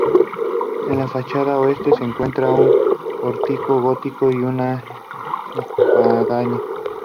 En la fachada oeste se encuentra un pórtico gótico y una espadaña.